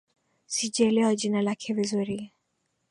Sijaelewa jina lake vizuri